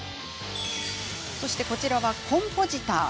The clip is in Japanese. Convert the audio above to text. こちらは、コンポジター。